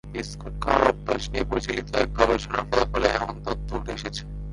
Biscuit খাওয়ার অভ্যাস নিয়ে পরিচালিত এক গবেষণার ফলাফলে এমন তথ্য উঠে এসেছে।